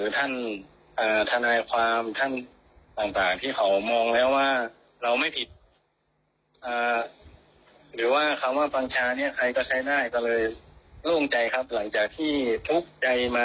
ทางกฎหมายเขาจะดูอีกทีครับ